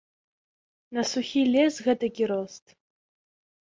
На сухі лес гэтакі рост.